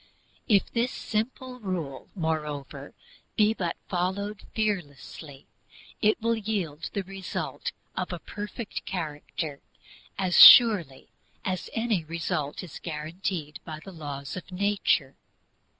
If this simple rule, moreover, be but followed fearlessly, it will yield the result of a perfect character as surely as any result that is guaranteed by the laws of nature.